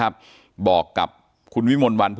ต่อยอีกต่อยอีกต่อยอีกต่อยอีก